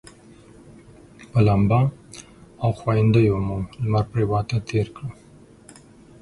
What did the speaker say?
په لمبا او ښویندیو مو لمر پرېواته تېره کړه.